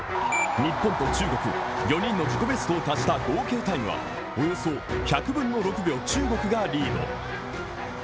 日本と中国４人の自己ベストを足した合計タイムはおよそ１００分の６秒、中国がリード。